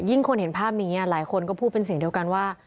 คนเห็นภาพนี้หลายคนก็พูดเป็นเสียงเดียวกันว่า